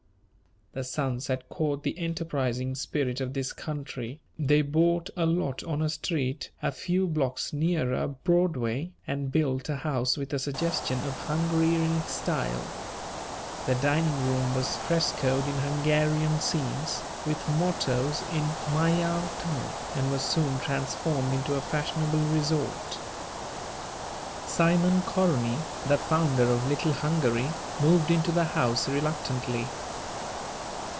The sons had caught the enterprising spirit of this country; they bought a lot on a street a few blocks nearer Broadway and built a house with a suggestion of Hungary in its style. The dining room was frescoed in Hungarian scenes, with mottoes in the Magyar tongue, and was soon transformed into a fashionable resort. Simon Koronyi, the founder of "Little Hungary," moved into the house reluctantly.